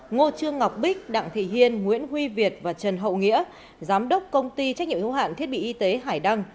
ngô trương ngọc bích đặng thị hiên nguyễn huy việt và trần hậu nghĩa giám đốc công ty trách nhiệm hữu hạn thiết bị y tế hải đăng